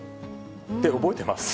覚えてます？